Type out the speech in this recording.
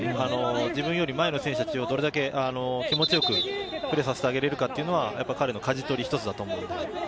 自分より前の選手たちをどれだけ気持ちよくプレーさせてあげられるかというのが彼の舵取り一つだと思います。